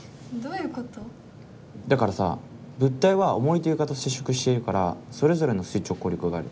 だからさ物体はおもりと床と接触しているからそれぞれの垂直抗力がある。